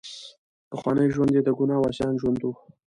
پخوانی ژوند یې د ګناه او عصیان ژوند وو.